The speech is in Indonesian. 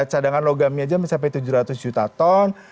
cadangan logamnya aja mencapai tujuh ratus juta ton